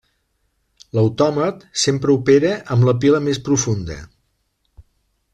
L'autòmat sempre opera amb la pila més profunda.